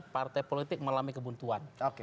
partai politik mengalami kebutuhan